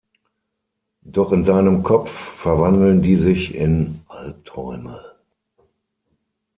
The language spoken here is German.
Doch in seinem Kopf verwandeln die sich in Alpträume.